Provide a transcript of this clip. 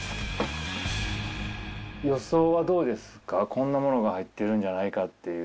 こんなものが入ってるんじゃないかっていう。